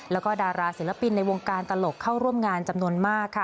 แล้วก็ดาราศิลปินในวงการตลกเข้าร่วมงานจำนวนมากค่ะ